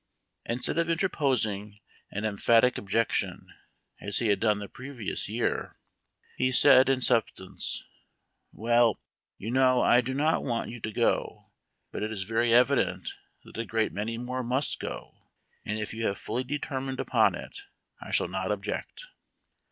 Instead of interposing an emphatic objection, as he had done the previous year, he said, in substance, "Well, you know I do not want you to go, but it is very evident that a great many more must go, and if you have fully determined upon it I shall not object."